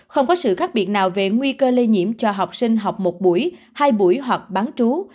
không có sự khác biệt nào về nguy cơ lây nhiễm cho học sinh học một buổi hai buổi hoặc bán chú